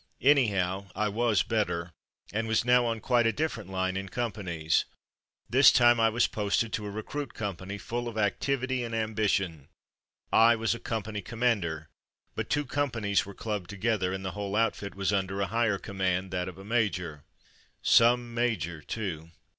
Anyhow, I was better, and was now on quite a different line in com panies. This time I was posted to a recruit company, full of activity and ambition. I was a company commander, but two com panies were clubbed together and the whole outfit was under a higher command — that of a major. Some major too!